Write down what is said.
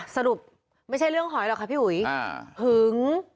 สรุปไม่ใช่เรื่องหอยหรอกค่ะพี่อุ๋ยหึง